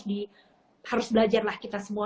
jadi harus belajar lah kita semua